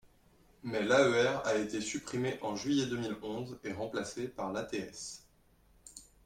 Mais l’AER a été supprimée en juillet deux mille onze et remplacée par l’ATS.